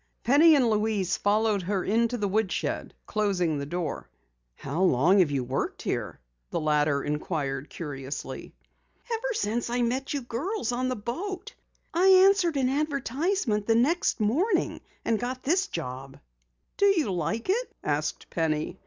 Penny and Louise followed her into the woodshed, closing the door. "How long have you worked here?" the latter inquired curiously. "Ever since I met you girls on the boat. I answered an advertisement the next morning and got this job." "Do you like it?" asked Penny.